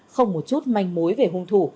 không một chút manh mối về hung thủ